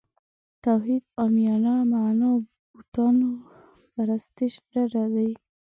توحید عامیانه معنا بوتانو پرستش ډډه دی.